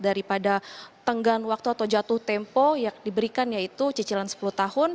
daripada tenggan waktu atau jatuh tempo yang diberikan yaitu cicilan sepuluh tahun